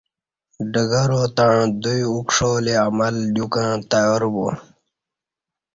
ڈگراں تݩع دوی اکݜا لے عمل دیوکں تیار بو